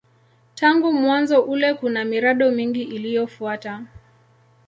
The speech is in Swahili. Tangu mwanzo ule kuna miradi mingi iliyofuata.